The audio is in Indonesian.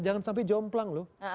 jangan sampai jomplang loh